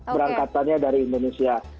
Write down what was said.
berangkatannya dari indonesia